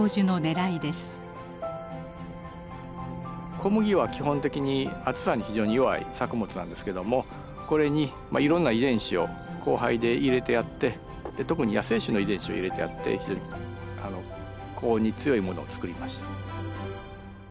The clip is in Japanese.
小麦は基本的に暑さに非常に弱い作物なんですけどもこれにいろんな遺伝子を交配で入れてやって特に野生種の遺伝子を入れてやって非常に高温に強いものを作りました。